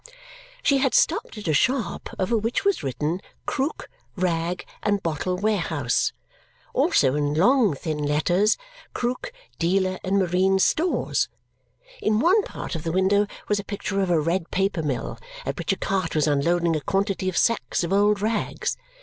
She had stopped at a shop over which was written KROOK, RAG AND BOTTLE WAREHOUSE. Also, in long thin letters, KROOK, DEALER IN MARINE STORES. In one part of the window was a picture of a red paper mill at which a cart was unloading a quantity of sacks of old rags.